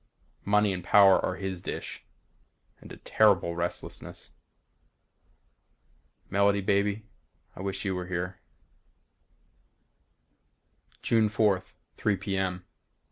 Money and power are his dish. And a terrible restlessness. Melody baby I wish you were here _June 4th, 3:00 p. m.